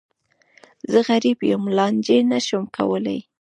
زه غریب یم، لانجه نه شم کولای.